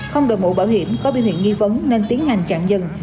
không được mũ bảo hiểm có biên huyện nghi vấn nên tiến hành chặn dừng